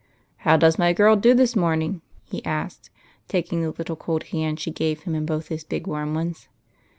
" How does my girl do this morning ?" he asked, taking the little cold hand she gave him in both his big warm ones.